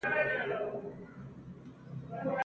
ساعتونه یوازې د دې خیال نښه ده.